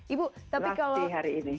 ibu tapi kalau